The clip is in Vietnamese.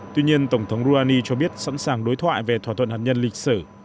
tuy nhiên tổng thống rouhani cho biết sẵn sàng đối thoại về thỏa thuận hạt nhân lịch sử